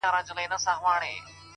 گراني دا هيله كوم;